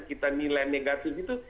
kita nilai negatif itu